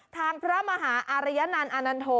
พระมหาอารยนันต์อานันโท